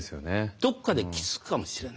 どこかで気付くかもしれない。